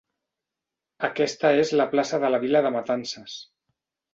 Aquesta és la plaça de la vila de Matances.